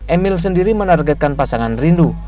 emil sendiri menargetkan pasangan rindu